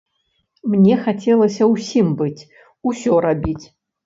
Мне хацелася ўсім быць, усё рабіць.